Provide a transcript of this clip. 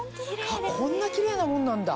こんなキレイなもんなんだ！